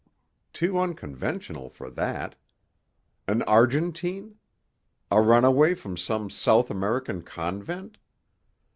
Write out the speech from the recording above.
Too unconventional for that. An Argentine? A runaway from some South American convent?